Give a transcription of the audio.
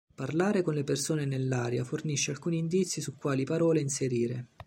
Parlare con le persone nell'area fornisce alcuni indizi su quali parole inserire.